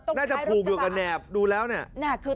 น่าจะผูกอยู่กับแนพ